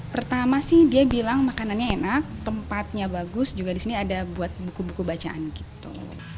pertama sih dia bilang makanannya enak tempatnya bagus juga di sini ada buat buku buku bacaan gitu